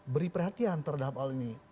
beri perhatian terhadap hal ini